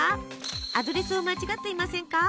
アドレスを間違っていませんか？